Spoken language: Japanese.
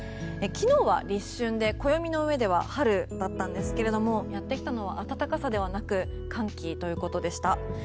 昨日は立春で暦の上では春だったんですがやってきたのは暖かさではなく寒気ということでした。